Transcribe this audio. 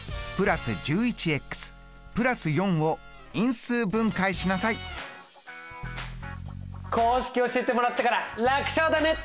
６＋１１＋４を因数分解しなさい公式教えてもらったから楽勝だねっ！